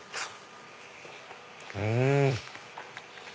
うん！